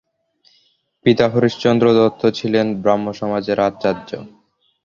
পিতা হরিশ চন্দ্র দত্ত ছিলেন ব্রাহ্মসমাজের আচার্য।